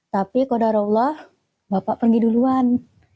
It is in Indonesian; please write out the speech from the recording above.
tapi kodara allah bapak pergi duluan